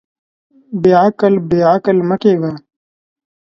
بېعقل، بېعقل مۀ کېږه.